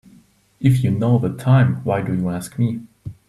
If you know the time why do you ask me?